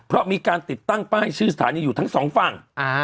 เพราะมีการติดตั้งป้ายชื่อสถานีอยู่ทั้งสองฝั่ง